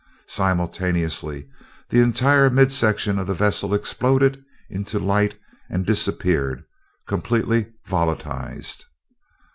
Simultaneously the entire midsection of the vessel exploded into light and disappeared; completely volatilized.